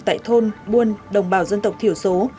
tại thôn buôn đồng bào dân tộc thiểu số